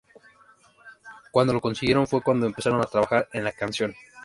Cuando lo consiguieron, fue cuando empezaron a trabajar en la canción.